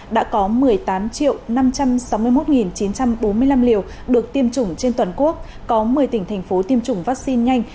đã có một mươi tám năm trăm sáu mươi một chín trăm bốn mươi năm liều được tiêm chủng trên toàn quốc có một mươi tỉnh thành phố tiêm chủng vaccine nhanh